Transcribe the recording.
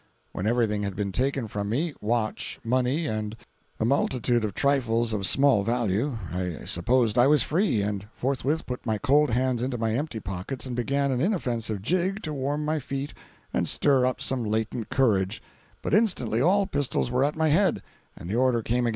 When everything had been taken from me,—watch, money, and a multitude of trifles of small value,—I supposed I was free, and forthwith put my cold hands into my empty pockets and began an inoffensive jig to warm my feet and stir up some latent courage—but instantly all pistols were at my head, and the order came again: "Be still!